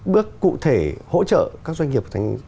bước cụ thể hỗ trợ các doanh nghiệp